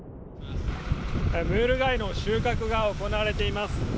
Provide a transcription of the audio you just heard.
ムール貝の収穫が行われています。